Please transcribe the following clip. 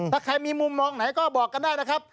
ถ้าใครมีมุมมองไหนก็บอกกันได้นะครับ